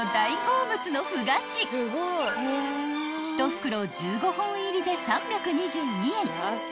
［１袋１５本入りで３２２円］